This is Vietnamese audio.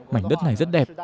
mảnh đất này rất đẹp